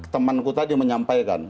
temanku tadi menyampaikan